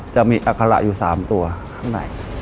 จะมีอัคระอยู่๓ตัวข้างใน